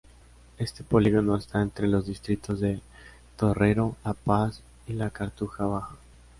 Este polígono está entre los distritos de Torrero-La Paz y La Cartuja Baja.